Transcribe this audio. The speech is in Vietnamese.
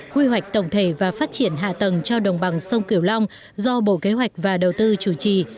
quy hoạch tổng thể và phát triển hạ tầng cho đồng bằng sông kiểu long do bộ kế hoạch và đầu tư chủ trì